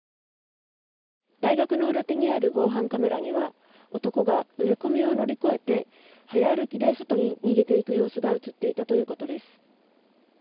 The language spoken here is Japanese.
大学の裏手にある防犯カメラには男が植え込みを乗り越えて早歩きで外に逃げていく様子が映っていたということです。